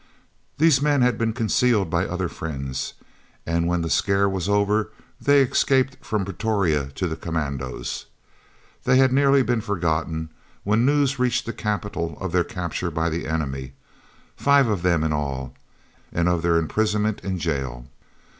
These men had been concealed by other friends, and when the scare was over they escaped from Pretoria to the commandos. They had nearly been forgotten when news reached the capital of their capture by the enemy, five of them in all, and of their imprisonment in jail.